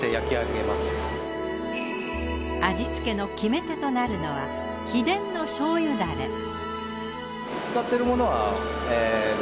味付けの決め手となるのは秘伝の醤油だれ。